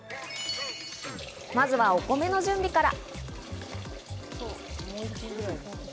まずはお米の準備から。